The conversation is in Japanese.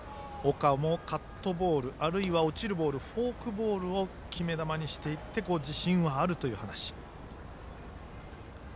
岡もカットボールあるいは落ちるボールフォークボールを決め球にしていって自信はあるという話。